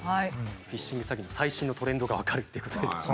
フィッシング詐欺の最新のトレンドが分かるっていうことですね。